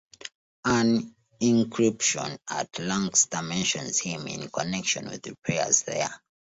An inscription at Lancaster mentions him in connection with repairs there.